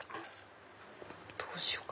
どうしようか？